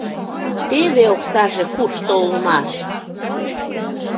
— Теве оксаже кушто улмаш!